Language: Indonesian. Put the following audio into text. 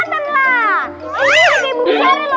ini lagi ibu besar loh